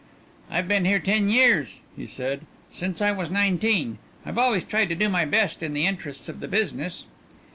"I've been here ten years," he said; "since I was nineteen. I've always tried to do my best in the interests of the business."